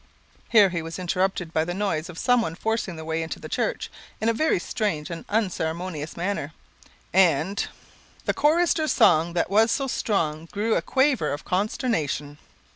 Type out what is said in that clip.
Here he was interrupted by the noise of some one forcing their way into the church, in a very strange and unceremonious manner, and "The chorister's song, that late was so strong, Grew a quaver of consternation."